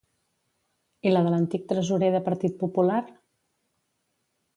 I la de l'antic tresorer de Partit Popular?